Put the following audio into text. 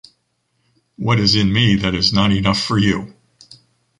what is in me that is not enough for you?